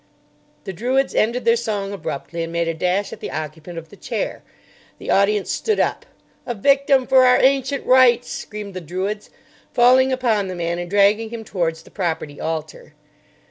The Druids ended their song abruptly, and made a dash at the occupant of the chair. The audience stood up. "A victim for our ancient rites!" screamed the Druids, falling upon the man and dragging him towards the property altar.